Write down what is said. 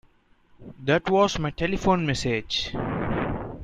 That was my telephone message.